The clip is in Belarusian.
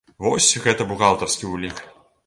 Вось, гэта бухгалтарскі ўлік!